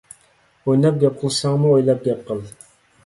ئويناپ گەپ قىلساڭمۇ ئويلاپ گەپ قىل.